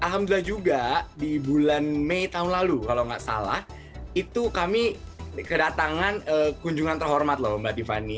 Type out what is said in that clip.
dan alhamdulillah juga di bulan mei tahun lalu kalau nggak salah itu kami kedatangan kunjungan terhormat loh mbak tiffany